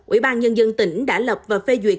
ủy ban nhân dân tỉnh đã lập và phê duyệt